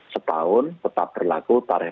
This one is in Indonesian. sepahun tetap berlaku tarif